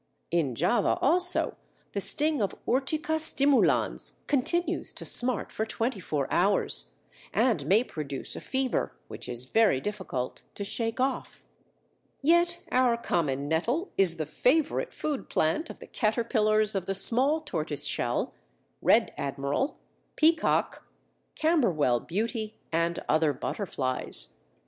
In Java also the sting of Urtica stimulans continues to smart for twenty four hours, and may produce a fever which is very difficult to shake off. Lindley, l.c.; Ludwig, l.c. Yet our common nettle is the favourite food plant of the caterpillars of the Small Tortoiseshell, Red Admiral, Peacock, Camberwell Beauty, and other butterflies.